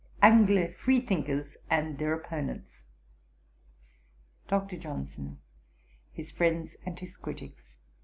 Angl. Freethinkers and their opponents.' Dr. Johnson: His Friends and His Critics, p.